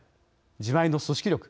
自前の組織力